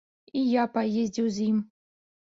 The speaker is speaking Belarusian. І я паездзіў з ім.